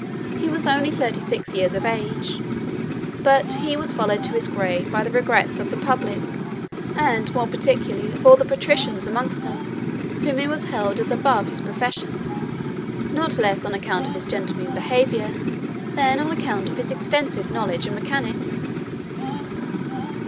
He was only thirty six years of age, but he was followed to his grave by the regrets of the public, and more particularly of all the patricians amongst whom he was held as above his profession, not less on account of his gentlemanly behaviour than on account of his extensive knowledge in mechanics.